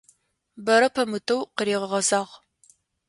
Бэрэ пэмытэу къыригъэгъэзагъ.